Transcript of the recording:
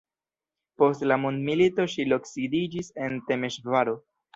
Post la mondmilito ŝi loksidiĝis en Temeŝvaro.